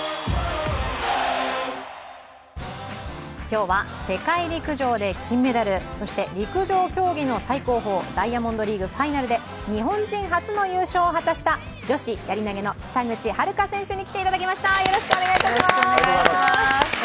今日は世界陸上で金メダル、そして陸上競技の最高峰ダイヤモンドリーグ・ファイナルで日本人初の優勝を果たした女子やり投げの北口榛花選手に来ていただきました。